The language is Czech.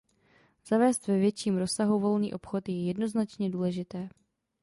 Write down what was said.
Zavést ve větším rozsahu volný obchod je jednoznačně důležité.